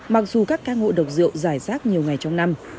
mặc dù các ca ngộ độc rượu dài rác nhiều ngày trong năm